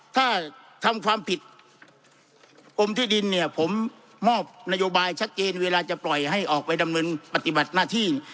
ถ้าทำความผิดกรมที่ดินเนี่ยผมมอบนโยบายชัดเจนเวลาจะปล่อยให้ออกไปดำเนินปฏิบัติหน้าที่